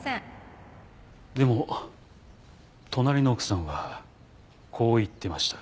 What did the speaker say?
でも隣の奥さんはこう言ってました。